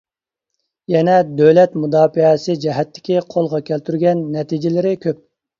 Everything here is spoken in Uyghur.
يەنە دۆلەت مۇداپىئەسى جەھەتتىكى قولغا كەلتۈرگەن نەتىجىلىرى كۆپ.